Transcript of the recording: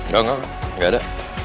gak gak gak ada